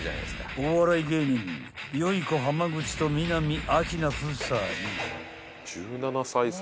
［お笑い芸人よゐこ濱口と南明奈夫妻］